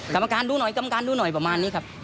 กรรมการดูหน่อยประมาณนี้ครับ